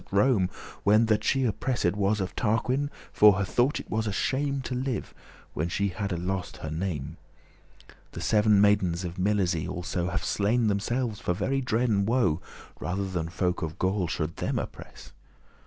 At Rome, when that she oppressed* was *ravished Of Tarquin? for her thought it was a shame To live, when she hadde lost her name. The seven maidens of Milesie also Have slain themselves for very dread and woe, Rather than folk of Gaul them should oppress.